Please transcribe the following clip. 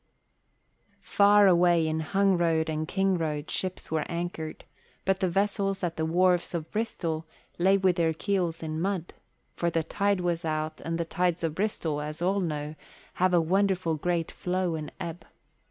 Far away in Hungroad and Kingroad ships were anchored, but the vessels at the wharves of Bristol lay with their keels in mud, for the tide was out and the tides of Bristol, as all know, have a wonderful great flow and ebb.